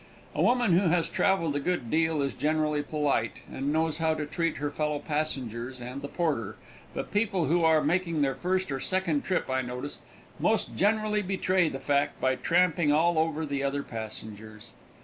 A woman who has traveled a good deal is generally polite, and knows how to treat her fellow passengers and the porter, but people who are making their first or second trip, I notice, most generally betray the fact by tramping all over the other passengers.